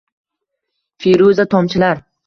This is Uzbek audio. Firuza tomchilar